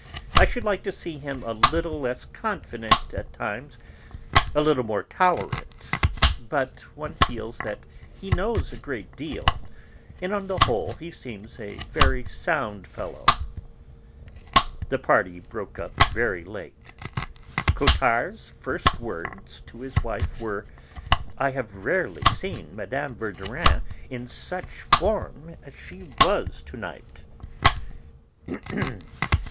I should like to see him a little less confident at times, a little more tolerant, but one feels that he knows a great deal, and on the whole he seems a very sound fellow." The party broke up very late. Cottard's first words to his wife were: "I have rarely seen Mme. Verdurin in such form as she was to night."